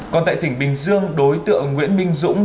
còn tại tỉnh bình dương đối tượng nguyễn minh dũng